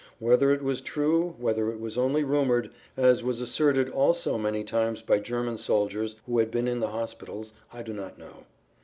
Whether it was true, whether it was only rumored, as was asserted also many times by German soldiers who had been in the hospitals, I do not know.